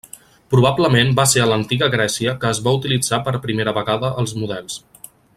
Probablement va ser a l'antiga Grècia que es va utilitzar per primera vegada els models.